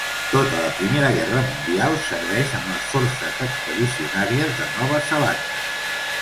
Tota la Primera Guerra Mundial serveix en les Forces Expedicionàries de Nova Zelanda.